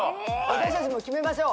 私たち決めましょう。